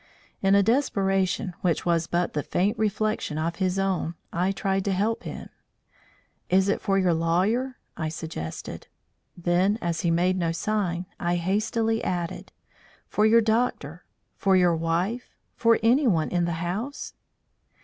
In a desperation, which was but the faint reflection of his own, I tried to help him. "Is it for your lawyer?" I suggested; then, as he made no sign, I hastily added: "For your doctor? For your wife? For anyone in the house?"